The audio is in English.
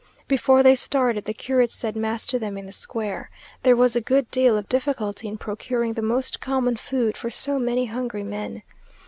Before they started, the curate said mass to them in the square. There was a good deal of difficulty in procuring the most common food for so many hungry men.